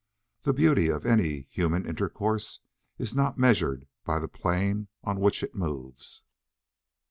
The beauty of any human intercourse is not measured by the plane on which it moves.